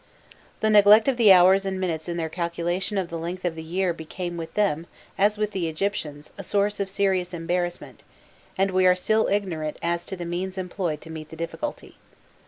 The neglect of the hours and minutes in their calculation of the length of the year became with them, as with the Egyptians, a source of serious embarrassment, and we are still ignorant as to the means employed to meet the difficulty.